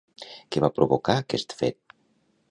Què va provocar aquest fet?